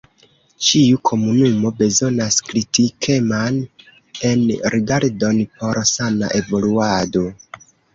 Ĉiu komunumo bezonas kritikeman enrigardon por sana evoluado.